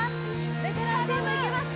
ベテランチームいけますか？